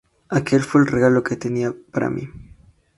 Aquel fue el regalo que tenía para mí".